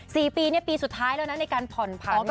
สี่ปีเนี่ยปีสุดท้ายแล้วนะในการผ่อนผัน